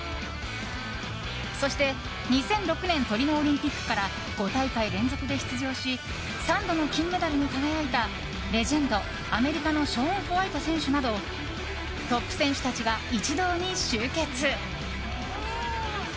そして、２００６年トリノオリンピックから５大会連続で出場し３度の金メダルに輝いたレジェンド、アメリカのショーン・ホワイト選手などトップ選手たちが一堂に集結。